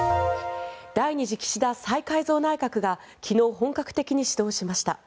第２次岸田再改造内閣が昨日、本格的に始動しました。